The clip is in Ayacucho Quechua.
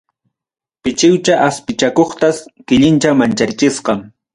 Pichiwcha aspichakuqtas, killincha mancharichisqa.